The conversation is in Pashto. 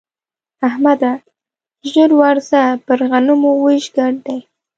احمده! ژر ورځه پر غنمو وېش ګډ دی.